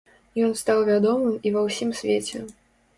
Ён стаў вядомым і ва ўсім свеце.